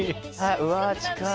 うわ近い。